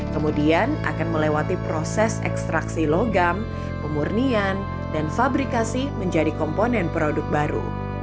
kemudian akan melewati proses ekstraksi logam pemurnian dan fabrikasi menjadi komponen produk baru